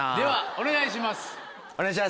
お願いします。